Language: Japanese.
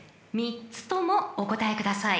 ［３つともお答えください］